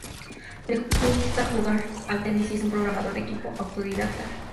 Le gusta jugar al tenis y es un programador de equipo autodidacta.